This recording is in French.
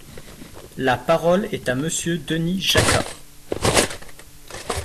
La parole est à Monsieur Denis Jacquat.